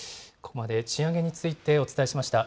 ここまで賃上げについてお伝えしました。